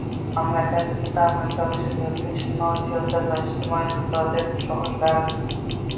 mamlakatimizda amalga oshirilayotgan ijtimoiy-siyosiy va ijtimoiy-iqtisodiy islohotlar